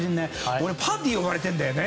俺、パーティー呼ばれてるんだよね。